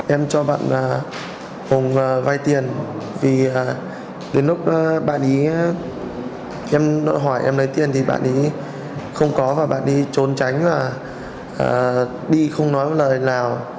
em cho bạn hùng vay tiền vì đến lúc bạn ý em đội hỏi em lấy tiền thì bạn ý không có và bạn đi trốn tránh là đi không nói lời nào